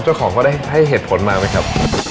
เจ้าของเขาได้ให้เหตุผลมาไหมครับ